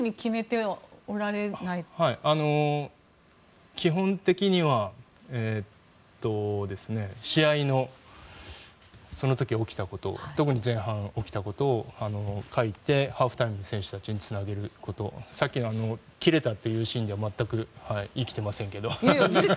はい、基本的には試合の、その時起きたこと特に前半起きたことを書いてハーフタイムに選手たちにつなげることさっきのキレたっていうシーンでは全く生きてませんけど。